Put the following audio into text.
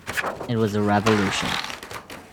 It was a revolution.